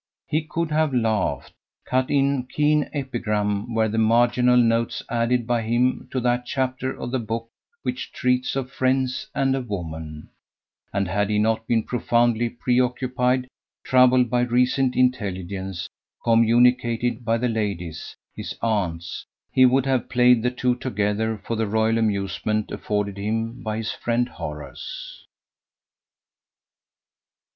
He could have laughed. Cut in keen epigram were the marginal notes added by him to that chapter of The Book which treats of friends and a woman; and had he not been profoundly preoccupied, troubled by recent intelligence communicated by the ladies, his aunts, he would have played the two together for the royal amusement afforded him by his friend Horace.